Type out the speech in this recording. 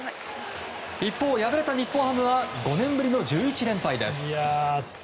一方、敗れた日本ハムは５年ぶりの１１連敗です。